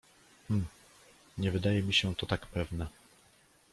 — Hm. Nie wydaje mi się to tak pewne.